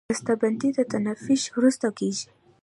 بسته بندي د تفتیش وروسته کېږي.